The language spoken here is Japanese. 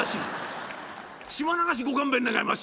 島流しご勘弁願います」。